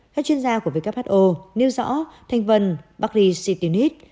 các chuyên gia của who nêu rõ thành phần baricitinib